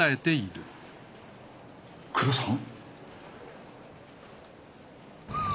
黒さん？